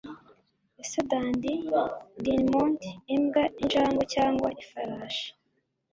Ese Dandie Dinmont Imbwa Injangwe cyangwa Ifarashi